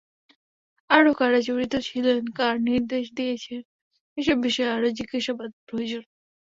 আরও কারা জড়িত ছিলেন, কারা নির্দেশ দিয়েছেন—এসব বিষয়ে আরও জিজ্ঞাসাবাদ প্রয়োজন।